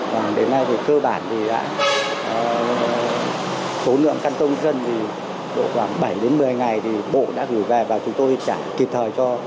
và đến nay thì cơ bản thì đã số lượng căn cước công dân thì khoảng bảy một mươi ngày thì bộ đã gửi về và chúng tôi sẽ kịp thời cho